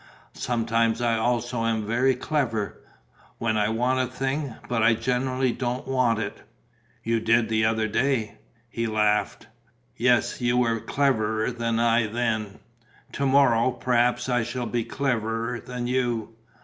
Sometimes I also am very clever. When I want a thing. But generally I don't want it." "You did the other day." He laughed: "Yes! You were cleverer than I then. To morrow perhaps I shall be cleverer than you."